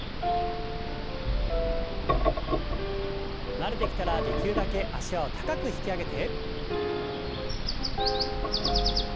慣れてきたらできるだけ脚を高く引き上げて。